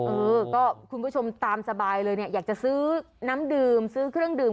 เออก็คุณผู้ชมตามสบายเลยเนี่ยอยากจะซื้อน้ำดื่มซื้อเครื่องดื่ม